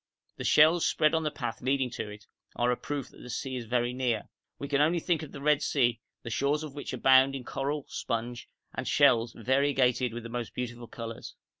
The shells spread on the path leading to it are a proof that the sea is very near; we can only think of the Red Sea, the shores of which abound in coral, in sponge, and shells variegated with the most beautiful colours.'